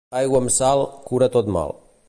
Aigua amb sal cura tot mal.